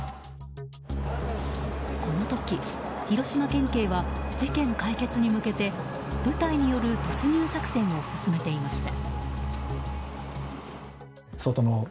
この時、広島県警は事件解決に向けて部隊による突入作戦を進めていました。